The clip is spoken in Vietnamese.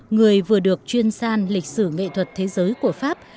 người vừa được chuyên san lịch sử nghệ thuật thế giới của pháp